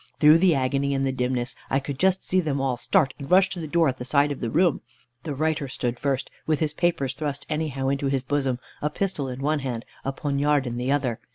Through the agony, and the dimness, I could just see them all start, and rush to the door at the side of the room. The writer stood first, with his papers thrust anyhow into his bosom, a pistol in one hand, a poniard in the other.